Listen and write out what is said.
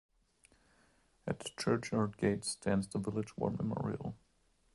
At the churchyard gate stands the village war memorial.